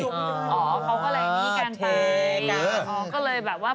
อ๋อเขาก็และนี้กันไป